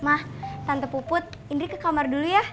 mah tante puput indri ke kamar dulu ya